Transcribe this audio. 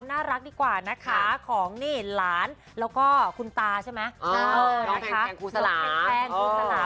หน้ารักดีกว่านะคะของโหลมร้านแล้วก็คุณตาใช่มั้ย